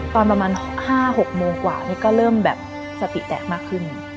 ตอนประมาณ๕๖โมงกว่านี่ก็เริ่มแบบสติแตกมากขึ้น